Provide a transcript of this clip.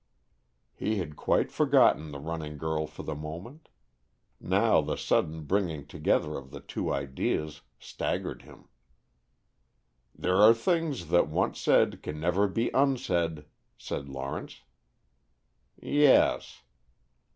He had quite forgotten the running girl for the moment. Now the sudden bringing together of the two ideas staggered him. "There are things that once said can never be unsaid," said Lawrence. "Yes."